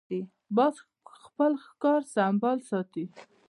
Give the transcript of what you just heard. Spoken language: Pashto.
باز خپل ښکار سمبال ساتي